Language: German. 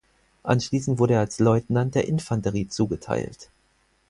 Anschließend wurde er als Leutnant der Infanterie zugeteilt.